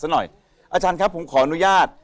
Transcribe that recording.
หน่อยอาจารย์ครับผมขออนุญาต